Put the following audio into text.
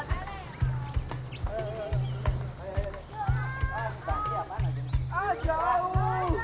hai ah jauh